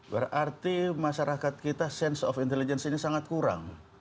berarti masyarakat kita sense of intelligence ini sangat kurang